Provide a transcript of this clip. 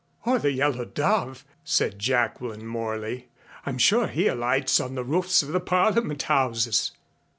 "Or the Yellow Dove," said Jacqueline Morley. "I'm sure he alights on the roofs of the Parliament Houses."